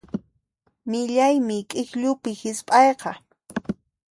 Millaymi k'ikllupi hisp'ayqa.